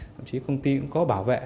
thậm chí công ty cũng có bảo vệ